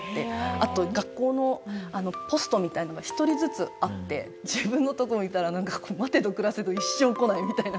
あと学校のポストみたいなのが一人ずつあって自分のとこ見たら待てど暮らせど一生来ないみたいな。